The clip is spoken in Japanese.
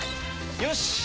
よし！